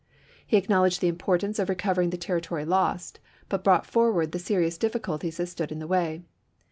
He acknowledged the importance of recovering the territory lost, but brought forward the serious difficulties that stood in the way.